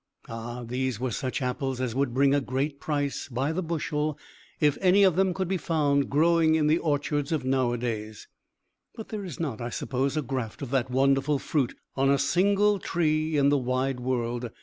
Ah, those were such apples as would bring a great price, by the bushel, if any of them could be found growing in the orchards of nowadays! But there is not, I suppose, a graft of that wonderful fruit on a single tree in the wide world.